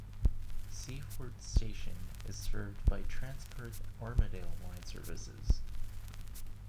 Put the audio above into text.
Seaforth station is served by Transperth Armadale line services.